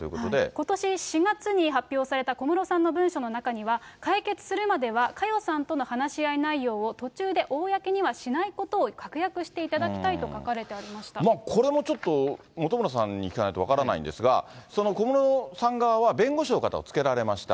ことし４月に発表された小室さんの文書の中には、解決するまでは、佳代さんとの話し合い内容を途中で公にはしないことを確約していこれもちょっと本村さんに聞かないと分からないんですが、その小室さん側は、弁護士の方をつけられました。